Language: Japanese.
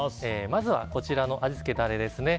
まずはこちらの味付けタレですね。